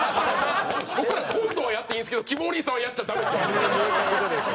僕らコントはやっていいんですけどキモお兄さんはやっちゃダメって言われたんですよ。